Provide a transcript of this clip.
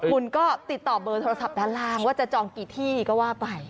คุณก็ติดต่อเบอร์โทรศัพท์ด้านล่างว่าจะจองกี่ที่ก็ว่าไป